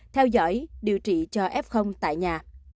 theo dõi điều trị cho f tại nhà